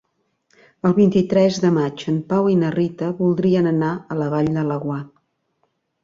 El vint-i-tres de maig en Pau i na Rita voldrien anar a la Vall de Laguar.